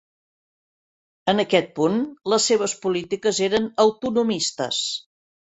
En aquest punt, les seves polítiques eren autonomistes.